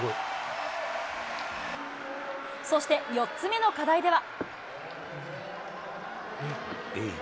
そして、４つ目の課題では。